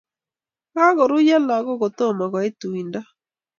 kokakoruyo lagok kotomo ko it tuindo